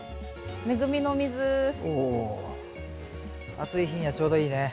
暑い日にはちょうどいいね。